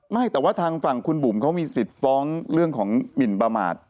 ไม่แต่ว่าทางฝั่งคุณบุ๋มเขามีสิทธิ์ฟ้องเรื่องของหมินประมาท